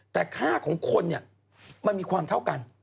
แต่ค่าของคนเนี่ยมันมีความเท่ากัน